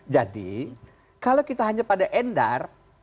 jadi kalau kita hanya pada endar